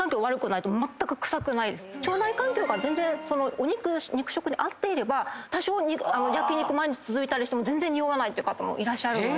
腸内環境が全然そのお肉肉食に合っていれば多少焼肉続いたりしても全然におわない方もいらっしゃるので。